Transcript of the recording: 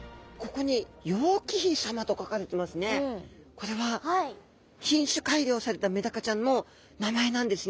これは品種改良されたメダカちゃんの名前なんですね。